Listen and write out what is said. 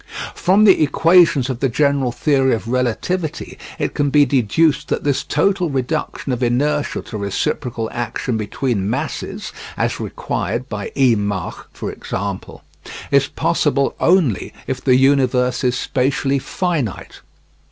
From the equations of the general theory of relativity it can be deduced that this total reduction of inertia to reciprocal action between masses as required by E. Mach, for example is possible only if the universe is spatially finite.